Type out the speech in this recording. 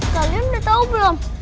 kalian udah tau belum